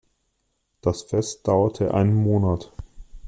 Das Fest dauerte einen Monat.